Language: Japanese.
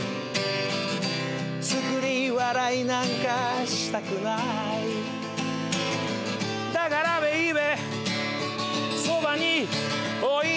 つくり笑いなんかしたくない